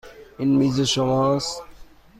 این میز شماست.